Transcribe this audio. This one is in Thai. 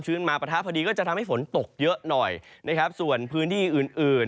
มาปะทะพอดีก็จะทำให้ฝนตกเยอะหน่อยนะครับส่วนพื้นที่อื่นอื่น